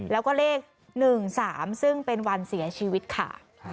แล้วก็เลข๑๓ซึ่งเป็นวันเสียชีวิตค่ะ